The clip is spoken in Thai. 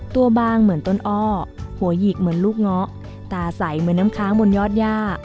บางเหมือนต้นอ้อหัวหยิกเหมือนลูกเงาะตาใสเหมือนน้ำค้างบนยอดย่า